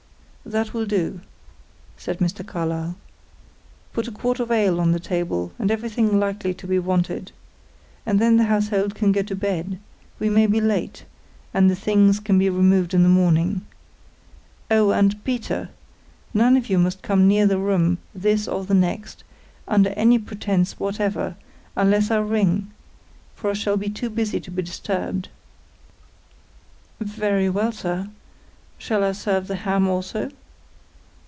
"That will do," said Mr. Carlyle. "Put a quart of ale on the table, and everything likely to be wanted. And then the household can go to bed; we may be late, and the things can be removed in the morning. Oh and Peter none of you must come near the room, this or the next, under any pretence whatever, unless I ring, for I shall be too busy to be disturbed." "Very well, sir. Shall I serve the ham also?"